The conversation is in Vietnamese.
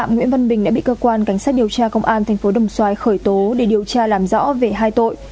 nguyễn văn bình đã bị cơ quan cảnh sát điều tra công an tp đồng xoài khởi tố để điều tra làm rõ về hai tội